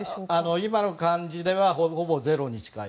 今の感じではほぼゼロに近い。